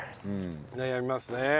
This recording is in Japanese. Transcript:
悩みますね。